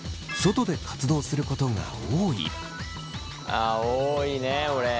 あ多いね俺。